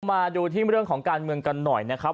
มาดูที่เรื่องของการเมืองกันหน่อยนะครับ